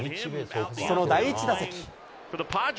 その第１打席。